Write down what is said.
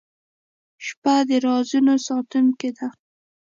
• شپه د رازونو ساتونکې ده.